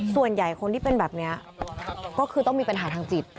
ส่วนใหญ่คนที่เป็นแบบนี้ก็คือต้องมีปัญหาทางจิต